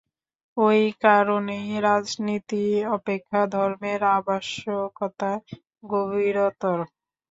ঐ কারণেই রাজনীতি অপেক্ষা ধর্মের আবশ্যকতা গভীরতর।